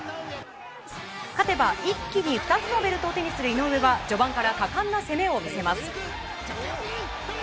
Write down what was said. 勝てば一気に２つのベルトを手にする井上は序盤から果敢な攻めを見せます。